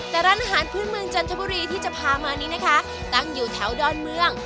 แต่ร้านอาหารพื้นเมืองจันทบุรีที่จะพามานี้นะคะตั้งอยู่แถวดอนเมือง